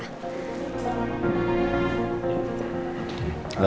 suruh masuk aja pak